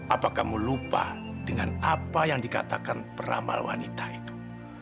apa kamu lupa dengan apa yang dikatakan peramal wanita itu